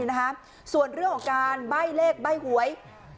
ให้หนินะคะส่วนเรื่องของการใบ้เลขใบ้หวย